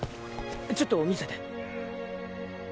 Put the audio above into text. ちょっと見せて。